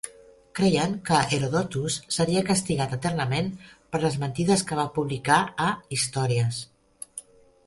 Creien que Herodotus seria castigat eternament per les "mentides" que va publicar a "Histories".